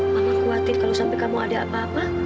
maka khawatir kalau sampai kamu ada apa apa